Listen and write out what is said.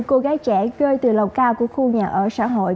cô gái trẻ rơi từ lầu cao của khu nhà ở xã hội